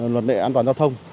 luật lệ an toàn giao thông